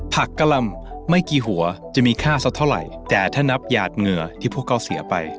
กะลำไม่กี่หัวจะมีค่าสักเท่าไหร่แต่ถ้านับหยาดเหงื่อที่พวกเขาเสียไป